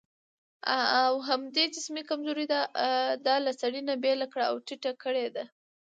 او همدې جسمي کمزورۍ دا له سړي نه بېله کړې او ټيټه کړې ده.